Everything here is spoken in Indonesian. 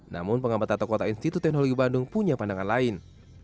namun pengambatan tokota institut teknologi bandung punya pandangan lain